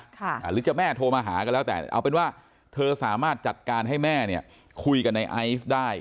หรือจะแม่โทรมาหาก็แล้วแต่เอาเป็นว่าเธอสามารถจัดการให้แม่เนี่ยคุยกับในไอซ์ได้